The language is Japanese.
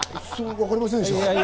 わかりませんでした？